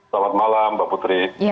selamat malam mbak putri